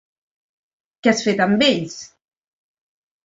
Què has fet amb ells?